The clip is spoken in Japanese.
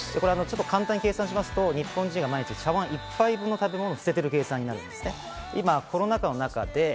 簡単に計算しますと、日本人が毎日、茶碗１杯分の食べ物を捨てている計算になります。